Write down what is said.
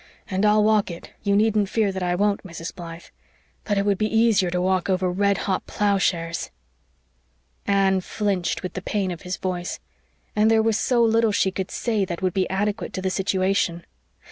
"And I'll walk it you needn't fear that I won't, Mrs. Blythe. But it would be easier to walk over red hot ploughshares." Anne flinched with the pain of his voice. And there was so little she could say that would be adequate to the situation.